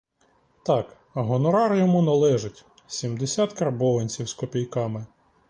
Так, гонорар йому належить — сімдесят карбованців з копійками.